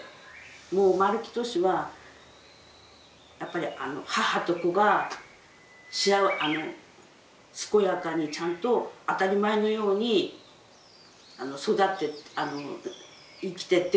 もう丸木俊はやっぱり母と子が健やかにちゃんと当たり前のように育って生きてってくれるっていうことだけですよ。